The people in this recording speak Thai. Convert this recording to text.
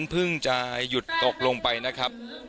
ฝนพึ่งใจหยุดตกลงไปนะครับ